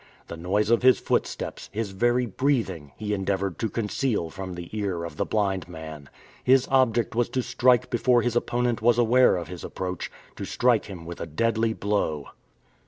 The noise of his footsteps, his very breathing, he endeavored to conceal from the ear of the blind man. His object was to strike before his opponent was aware of his approach, to strike him with a deadly blow.